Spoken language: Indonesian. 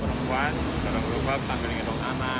perempuan gerobak bakso sambil menggendong anak